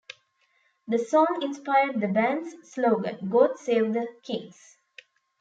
The song inspired the band's slogan, "God Save the Kinks".